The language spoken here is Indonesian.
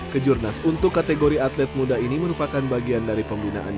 kejurnas untuk kategori atlet muda ini merupakan bagian dari pembinaan